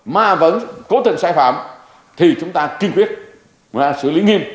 mà vẫn cố tình sai phạm thì chúng ta kiên quyết và xử lý nghiêm